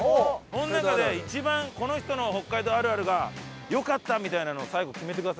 その中で一番この人の北海道あるあるがよかったみたいなのを最後決めてくださいよ。